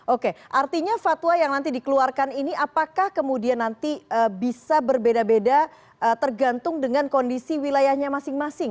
oke artinya fatwa yang nanti dikeluarkan ini apakah kemudian nanti bisa berbeda beda tergantung dengan kondisi wilayahnya masing masing